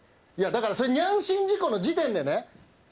いやだからそれニャン身事故の時点でね